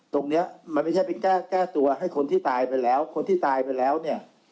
ตรงนี้มันไม่ใช่ไปแก้ตัวให้คนที่ตายไปแล้วคนที่ตายไปแล้วเนี่ย